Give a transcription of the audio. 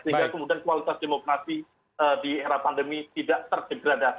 sehingga kemudian kualitas demokrasi di era pandemi tidak terdegradasi